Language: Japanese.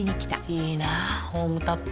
いいなホームタップ。